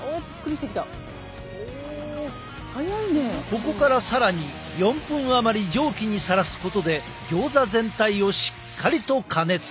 ここから更に４分余り蒸気にさらすことでギョーザ全体をしっかりと加熱。